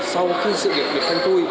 sau khi sự việc được thanh khui